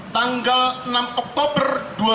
tanggal enam oktober dua ribu dua puluh